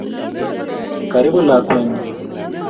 Karibu lakwenyu